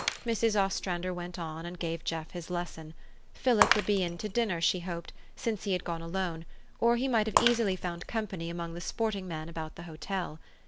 Mrs. Ostrander went on, and gave Jeff his lesson. Philip would be in to dinner, she hoped, since he had gone alone ; or he might have easily found company among the sporting men about the hotel.